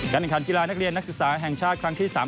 ขันกีฬานักเรียนนักศึกษาแห่งชาติครั้งที่๓